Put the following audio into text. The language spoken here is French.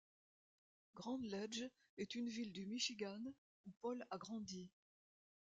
Grand Ledge est une ville du Michigan où Paul a grandi.